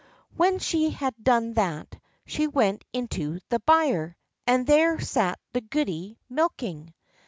When she had done that, she went into the byre, and there sat the goody milking.